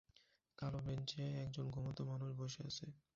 কালো বেঞ্চে একজন ঘুমন্ত মানুষ বসে আছে।